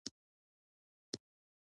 درناوی د فرد لپاره د ارزښت لوړوي.